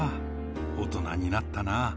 大人になったな。